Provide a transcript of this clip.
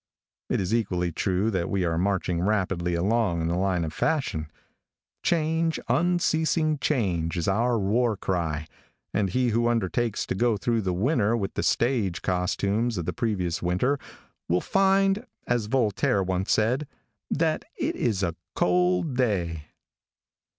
It is equally true that we are marching rapidly along in the line of fashion. Change, unceasing change, is the war cry, and he who undertakes to go through the winter with the stage costumes of the previous winter, will find, as Voltaire once said, that it is a cold day.